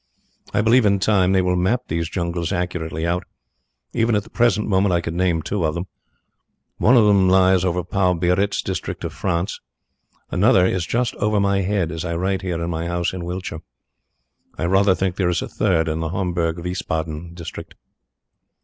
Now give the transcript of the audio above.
I believe in time they will map these jungles accurately out. Even at the present moment I could name two of them. One of them lies over the Pau Biarritz district of France. Another is just over my head as I write here in my house in Wiltshire. I rather think there is a third in the Homburg Wiesbaden district.